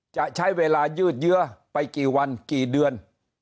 จะใช้เวลายืดเยื้อไปกี่วันกี่เดือน